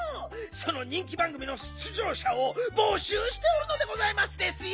その人気ばんぐみの出じょうしゃをぼしゅうしておるのでございますですよ！